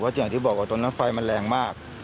อย่างที่บอกว่าตอนนั้นไฟมันแรงมาก